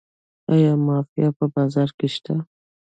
آیا مافیا په بازار کې شته؟